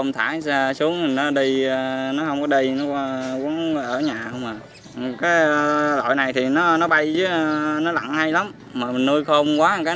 thả xuống xong nó lên